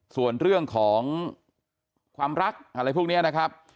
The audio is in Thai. ส่วนเรื่องของความรักอะไรพวกนี้นะครับ